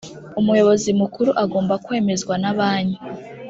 umuyobozi mukuru agomba kwemezwa na banki